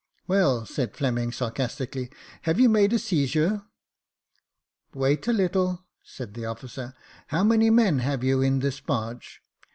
"Well," said Fleming, sarcastically, "have you made a seizure ?"" Wait a little," said the officer; "how many men have you in this barge